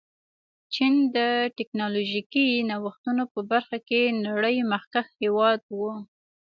چین د ټکنالوژيکي نوښتونو په برخه کې نړۍ مخکښ هېواد و.